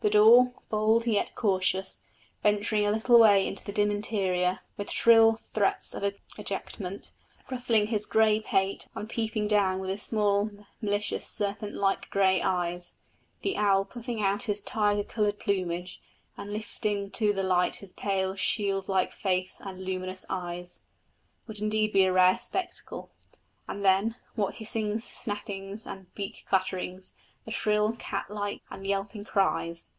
The daw, bold yet cautious, venturing a little way into the dim interior, with shrill threats of ejectment, ruffling his grey pate and peeping down with his small, malicious, serpent like grey eyes; the owl puffing out his tiger coloured plumage, and lifting to the light his pale, shield like face and luminous eyes, would indeed be a rare spectacle; and then, what hissings, snappings, and beak clatterings, and shrill, cat like, and yelping cries!